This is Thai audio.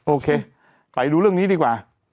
โอเคไปดูเรื่องนี้ดีกว่า